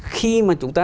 khi mà chúng ta